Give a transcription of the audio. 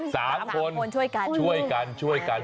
สามคนช่วยกัน